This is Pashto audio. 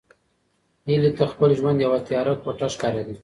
هیلې ته خپل ژوند یوه تیاره کوټه ښکارېده.